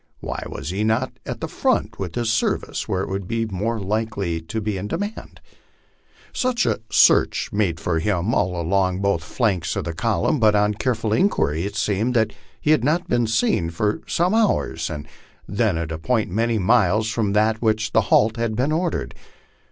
Why was he not at the front where his services would be most likely 134 LIFE ON THE PLAINS. to bo in demand? Search was quietly made for him all along both flanks of the column, but on careful inquiry it seemed that he had not been seen for some hours, and then at a point many miles from that at which the halt had been ordered.